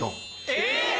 えっ！